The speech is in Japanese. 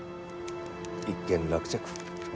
一件落着。